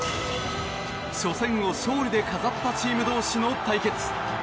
初戦を勝利で飾ったチーム同士の対決。